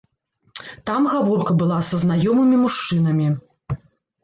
Там гаворка была са знаёмымі мужчынамі.